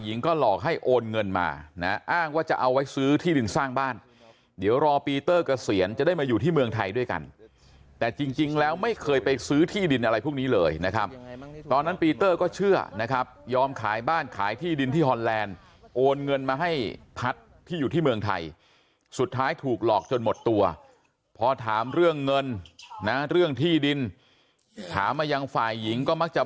หลอกให้โอนเงินมานะอ้างว่าจะเอาไว้ซื้อที่ดินสร้างบ้านเดี๋ยวรอปีเตอร์เกษียณจะได้มาอยู่ที่เมืองไทยด้วยกันแต่จริงแล้วไม่เคยไปซื้อที่ดินอะไรพวกนี้เลยนะครับตอนนั้นปีเตอร์ก็เชื่อนะครับยอมขายบ้านขายที่ดินที่ฮอนแลนด์โอนเงินมาให้พัฒน์ที่อยู่ที่เมืองไทยสุดท้ายถูกหลอกจนหมดตัวพอถามเรื่องเงินนะเรื่องที่ดินถามมายังฝ่ายหญิงก็มักจะ